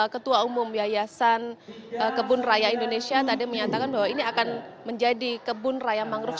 ketua umum yayasan kebun raya indonesia tadi menyatakan bahwa ini akan menjadi kebun raya mangrove